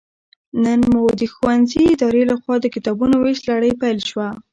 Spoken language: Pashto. نن مو د ښوونځي ادارې لخوا د کتابونو ويش لړۍ پيل شوه